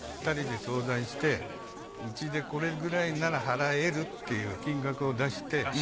２人で相談してうちでこれくらいなら払えるっていう金額を出して。